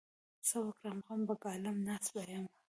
څه وکړم؟! غم به ګالم؛ ناست به يم.